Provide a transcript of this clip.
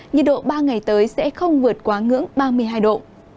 nhiệt độ ba ngày tới sẽ không vượt quá ngưỡng ba mươi hai độ